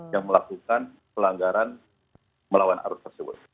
yang melakukan pelanggaran melawan arus tersebut